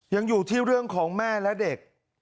ยังอยู่ที่เรื่องของแม่และเด็ก